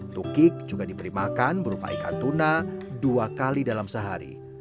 tukik juga diberi makan berupa ikan tuna dua kali dalam sehari